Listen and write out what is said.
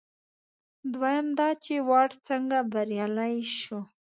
دویم دا چې واټ څنګه بریالی شو.